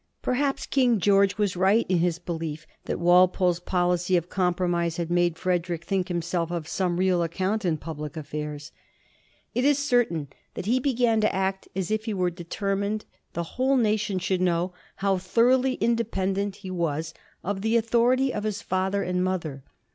Perhaps King George was right in his belief that Walpole's policy of compromise had made Frederick think himself of some real account in public affairs. It is cer tain that he began to act as if he were determined the whole nation should know how thoroughly independent he was of the authority of his father and mother.